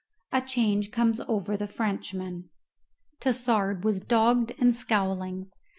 A CHANGE COMES OVER THE FRENCHMAN. Tassard was dogged and scowling.